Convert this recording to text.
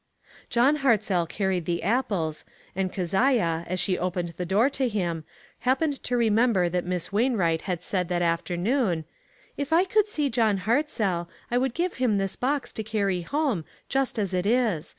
John Hartzell carried the apples, and Keziah, as she opened the door to him, happened to remember that Miss Wainwright had said that afternoon : "If I could see John Hartzell, I would give him this box to carry home, just as it is.